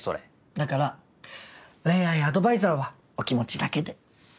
だから恋愛アドバイザーはお気持ちだけで。